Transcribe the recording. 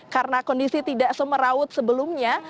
karena kondisi tidak semeraut sebelumnya